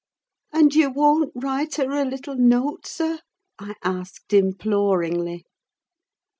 "And you won't write her a little note, sir?" I asked, imploringly.